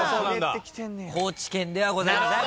高知県ではございません。